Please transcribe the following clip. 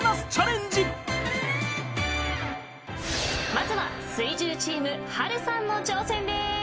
まずは水１０チーム波瑠さんの挑戦でーす。